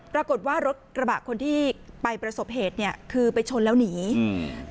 ปรากฏว่ารถกระบะคนที่ไปประสบเหตุเนี้ยคือไปชนแล้วหนีอืม